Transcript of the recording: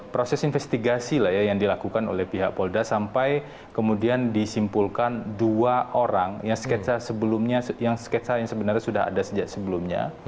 proses investigasi lah ya yang dilakukan oleh pihak polda sampai kemudian disimpulkan dua orang yang sketsa sebelumnya yang sketsa yang sebenarnya sudah ada sejak sebelumnya